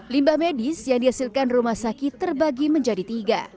limbah medis yang dihasilkan rumah sakit terbagi menjadi tiga